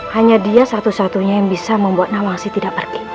hanya dia satu satunya yang bisa membuatnya masih tidak pergi